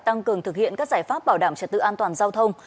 tăng cường thực hiện các giải pháp bảo đảm trật tự an toàn giao thông